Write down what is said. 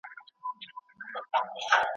کمپيوټر لوگو جوړوي.